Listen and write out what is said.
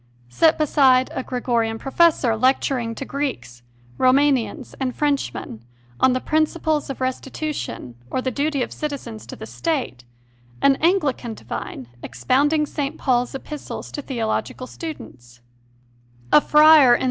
Set beside a Gregorian professor lecturing to Greeks, Rouma nians, and Frenchmen, on the principles of restitu tion or the duty of citizens to the State, an Anglican divine expounding St. Paul s Epistles to theological students; a friar in S.